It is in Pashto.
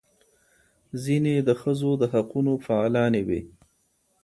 ځینې د ښځو د حقونو فعالانې وې.